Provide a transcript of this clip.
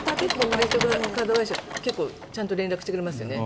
クレジットカード会社ちゃんと連絡してくれますよね。